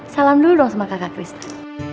salam dulu dong sama kakak kristen